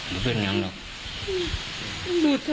ไม่รู้จริงว่าเกิดอะไรขึ้น